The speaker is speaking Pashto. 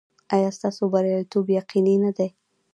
ایا ستاسو بریالیتوب یقیني نه دی؟